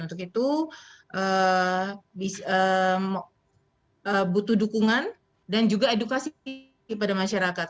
untuk itu butuh dukungan dan juga edukasi kepada masyarakat